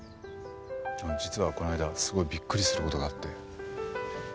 実はこの間すごいびっくりする事があって。